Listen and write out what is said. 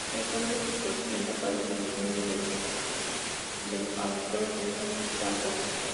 Los Hombres Escorpión aparecen en el mundo de Glorantha del autor Greg Stafford.